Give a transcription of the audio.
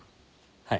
はい。